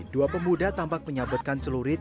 dua pemuda tampak menyabetkan celurit